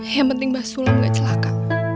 yang penting mbah sulam gak celaka